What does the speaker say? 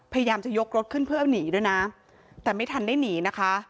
พยายามจะยกรถขึ้นเพื่อหนีด้วยนะแต่ไม่ทันได้หนีนะคะ